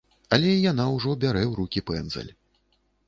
Але і яна ўжо бярэ ў рукі пэндзаль.